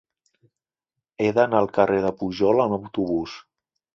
He d'anar al carrer de Pujol amb autobús.